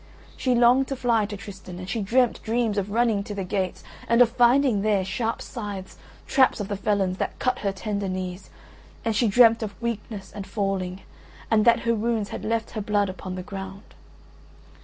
She longed to fly to Tristan and she dreamt dreams of running to the gates and of finding there sharp scythes, traps of the felons, that cut her tender knees; and she dreamt of weakness and falling, and that her wounds had left her blood upon the ground.